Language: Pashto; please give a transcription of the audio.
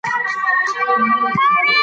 د علم انکشاف د انټرنیټ برکت دی.